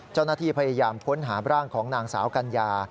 เจ้าหน้าที่พยายามค้นหาร่างของนางสาวกัญญา